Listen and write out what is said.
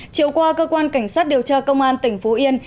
chiều qua cơ quan cảnh sát điều tra công an tỉnh phú yên